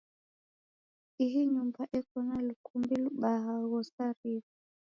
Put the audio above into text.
Ihii nyumba eko na lukumbi lubaha gho sarigha.